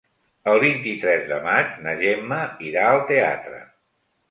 El vint-i-tres de maig na Gemma irà al teatre.